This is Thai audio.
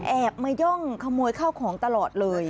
แอบมาย่องขโมยข้าวของตลอดเลย